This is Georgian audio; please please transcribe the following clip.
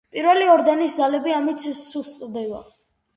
პირველი ორდენის ძალები ამით სუსტდება.